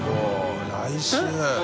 来週。